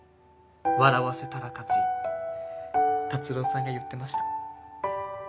笑わせたら勝ちって辰郎さんが言ってました。